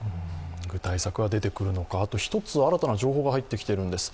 具体策は出てくるのか、あと１つ新たな情報が出ています。